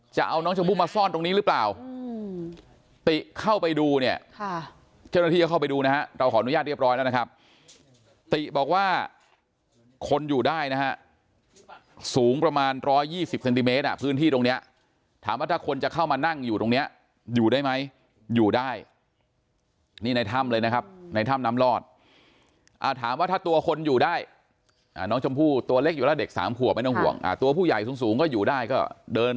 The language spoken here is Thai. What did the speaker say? จะเอาน้องชมพู่มาซ่อนตรงนี้หรือเปล่าติเข้าไปดูเนี้ยค่ะเจ้าหน้าที่จะเข้าไปดูนะฮะเราขออนุญาตเรียบร้อยแล้วนะครับติบอกว่าคนอยู่ได้นะฮะสูงประมาณร้อยยี่สิบเซนติเมตรอ่ะพื้นที่ตรงเนี้ยถามว่าถ้าคนจะเข้ามานั่งอยู่ตรงเนี้ยอยู่ได้ไหมอยู่ได้นี่ในถ้ำเลยนะครับในถ้ำน้ำลอดอ่าถามว่าถ้าตัวคนอยู่ได